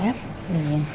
iya makasih dok ya